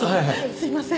すいません。